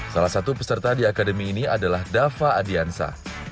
salah satu peserta di akademi ini adalah dava adiansa